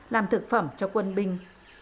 làm thực phẩm cho quân binh